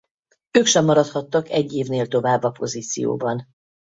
Ők sem maradhattak egy évnél tovább a pozícióban.